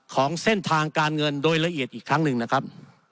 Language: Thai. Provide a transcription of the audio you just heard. ของเส้นทางการเงินโดยละเอียดอีกครั้งหนึ่งนะครับ